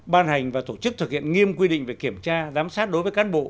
ban hành và tổ chức thực hiện nghiêm quy định về kiểm tra giám sát đối với cán bộ